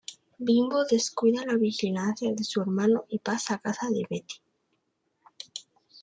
Bimbo descuida la vigilancia de su hermano y pasa a casa de Betty.